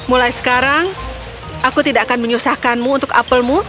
mulai sekarang aku tidak akan menyusahkanmu untuk apelmu